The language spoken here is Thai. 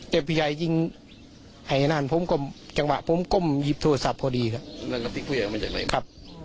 แต่ผู้ใหญ่จริงไอ้นั่นผมก้มจังหวะผมก้มหยิบโทรศัพท์พอดีครับ